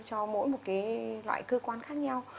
cho mỗi một cái loại cơ quan khác nhau